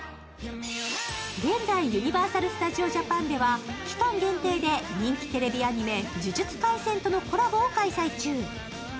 現在、ユニバーサル・スタジオ・ジャパンでは、期間限定で人気テレビアニメ「呪術廻戦」とのコラボを開催中。